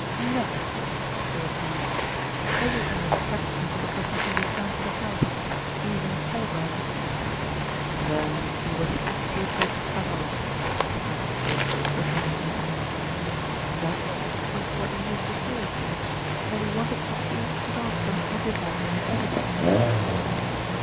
"Never, sir," was the reply. "Everything was kept until the professor returned to the house, even telegrams." "Then he was absolutely cut off?" said Malcolm Sage, returning to his seat. "That was what he used to say, sir, that he wanted to feel cut off from everybody and everything."